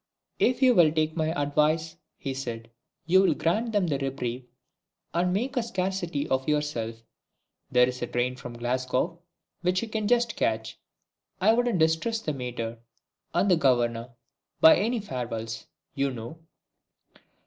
"If you will take my advice," he said, "you will grant them a reprieve, and make a scarcity of yourself. There is a train for Glasgow which you can just catch. I wouldn't distress the Mater and Governor by any farewells, you know."